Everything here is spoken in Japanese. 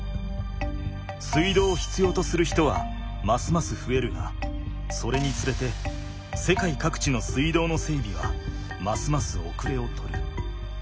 水道を必要とする人はますます増えるがそれにつれて世界各地の水道の整備はますますおくれを取る。